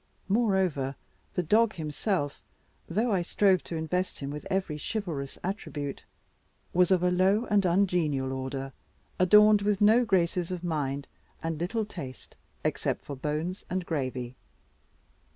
Moreover, the dog himself, though I strove to invest him with every chivalrous attribute, was of a low and ungenial order, adorned with no graces of mind, and little taste, except for bones and gravy.